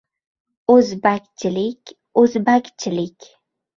O‘zbakchilik — o‘zbakchilik.